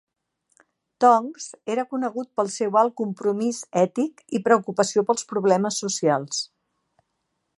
Tonks era conegut pel seu alt compromís ètic i preocupació pels problemes socials.